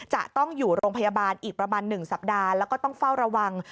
จะต้องอยู่โรงพยาบาลอีกประมาณ๑สัปดาห์แล้วก็ต้องเฝ้าระวัง